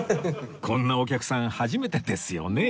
こんなお客さん初めてですよね